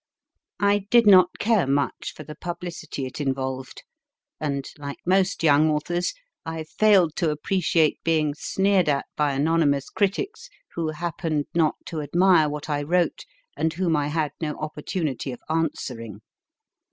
I did not care much for the publicity it involved, and, like most young authors, I failed to appreciate being sneered at by anonymous critics who happened not to admire what I wrote, and whom I had no opportunity of answering.